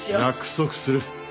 約束する。